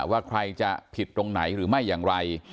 ว่าใครจะผิดตรงไหนหรือไม่อย่างไร